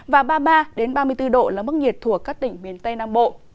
và ba mươi ba ba mươi bốn độ là mức nhiệt thuộc các tỉnh miền tây nam bộ